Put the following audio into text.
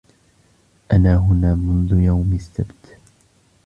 أنا هنا منذ يوم السبت.